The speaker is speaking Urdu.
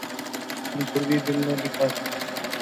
کمزوری دل نے دکھا دی۔